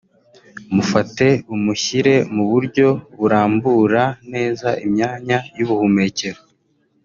Mufate umushyire mu buryo burambura neza imyanya y’ubuhumekero